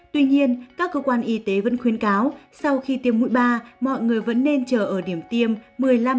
tuy nhiên các cơ quan y tế vẫn khuyến cáo sau khi tiêm mũi ba mọi người vẫn nên chờ ở điểm tiêm một mươi năm đến ba mươi phút sáu đợt